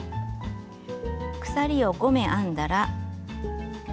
鎖を５目編んだら。